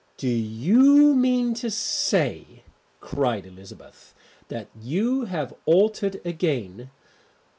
"Do you mean to say," cried Elizabeth, "that you have altered again?"